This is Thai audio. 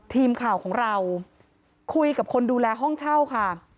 ทีมข่าวของเราคุยกับคนดูแลห้องเช่าค่ะ